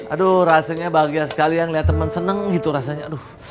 aduh rasanya bahagia sekali yang lihat teman seneng gitu rasanya